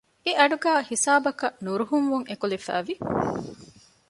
އެއަޑުގައި ހިސާބަކަށް ނުރުހުންވުން އެކުލެވިފައިވި